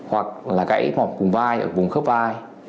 hoặc là gãy mỏm cùng vai ở vùng khớp vai